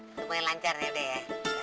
semuanya lancar ya